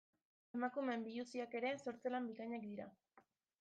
Emakumeen biluziak ere sortze lan bikainak dira.